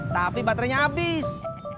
tapi baterainya abis